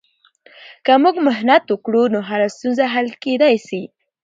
که موږ محنت وکړو، نو هره ستونزه حل کیدای سي.